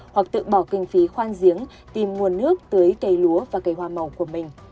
hoặc tự bỏ kinh phí khoan giếng tìm nguồn nước tưới cây lúa và cây hoa màu của mình